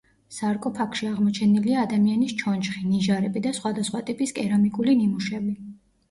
სარკოფაგში აღმოჩენილია ადამიანის ჩონჩხი, ნიჟარები და სხვადასხვა ტიპის კერამიკული ნიმუშები.